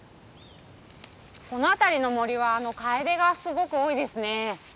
この辺りの森はカエデがすごく多いですね。